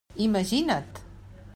Imagina't!